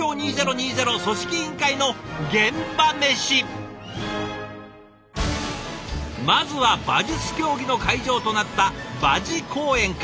というわけでまずは馬術競技の会場となった馬事公苑から。